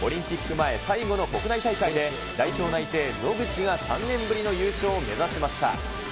前最後の国内大会で、代表内定、野口が３年ぶりの優勝を目指しました。